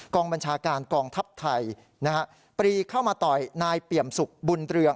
บัญชาการกองทัพไทยนะฮะปรีเข้ามาต่อยนายเปี่ยมสุขบุญเรือง